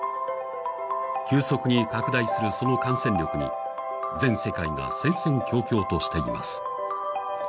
急速に拡大するその感染力に全世界が戦々恐々としています。